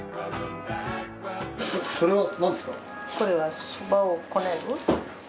それは何ですか？